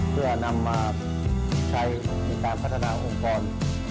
เพื่อนำมาใช้ในการพัฒนาองค์กร